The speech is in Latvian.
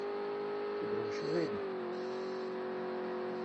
Tu droši zini?